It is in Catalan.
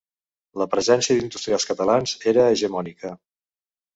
La presència d'industrials catalans era hegemònica.